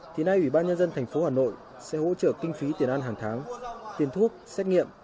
thì nay ủy ban nhân dân tp hà nội sẽ hỗ trợ kinh phí tiền ăn hàng tháng tiền thuốc xét nghiệm